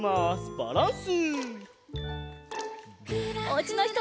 バランス！